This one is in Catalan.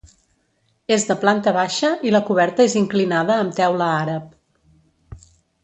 És de planta baixa i la coberta és inclinada amb teula àrab.